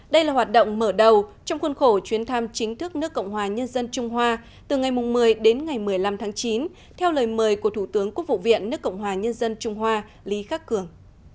đây là hoạt động mở đầu trong khuôn khổ chuyến thăm chính thức nước cộng hòa nhân dân trung hoa từ ngày một mươi đến ngày một mươi năm tháng chín theo lời mời của thủ tướng quốc vụ viện nước cộng hòa nhân dân trung hoa lý khắc cường